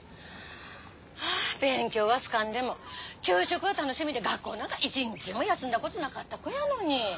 勉強は好かんでも給食は楽しみで学校なんか一日も休んだこつなかった子やのに。